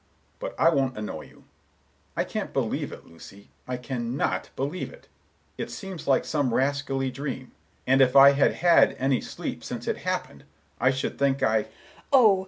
But I won't annoy you. I can't believe it, Lucy; I can not believe it. It seems like some rascally dream, and if I had had any sleep since it happened, I should think I—" Miss Galbraith: "Oh!